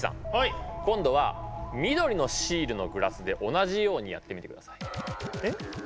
今度は緑のシールのグラスで同じようにやってみてください。